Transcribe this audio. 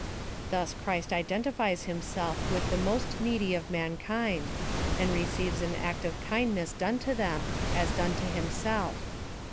Thus Christ identifies him self with the most needy of mankind ; and receives an act of kindness done to them, as done to himself.